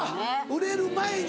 売れる前に。